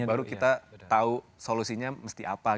baru kita tau solusinya mesti apa gitu